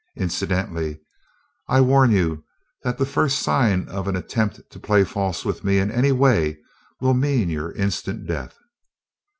Incidentally, I warn you that the first sign of an attempt to play false with me in any way will mean your instant death."